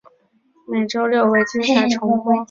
每周六为精彩重播。